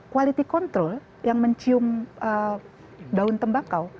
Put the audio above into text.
quality control yang mencium daun tembakau